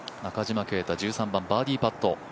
中島啓太バーディーパット。